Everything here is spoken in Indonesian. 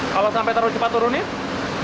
kalau sampai taruh cepat turunin